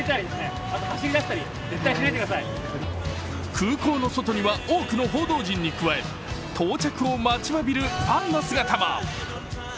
空港の外には多くの報道陣に加え到着を待ちわびるファンの姿が。